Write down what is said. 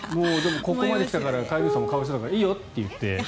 ここまで来たから飼い主さんも可哀想だからいいよって言って。